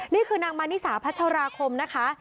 นี่คือนางมานิสาพัชราคมนะคะ